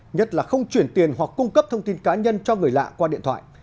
nhất là không chuyển tiền hoặc cung cấp thông tin cá nhân cho người lạ qua điện thoại